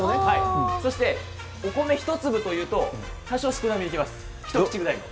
そして、お米１粒というと多少少なめに来ます、一口ぐらいに。